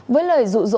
với lời rủ rỗ